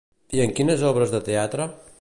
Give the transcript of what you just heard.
I en quines obres de teatre?